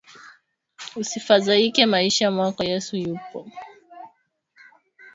Usifazaike maishani mwako yesu yupo